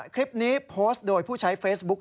คลิปนี้โพสต์โดยผู้ใช้เฟซบุ๊ค